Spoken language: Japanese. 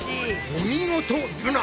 お見事ルナ！